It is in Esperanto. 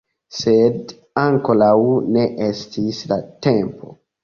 Sed ankoraŭ ne estis la tempo.